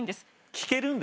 聞けるんですか？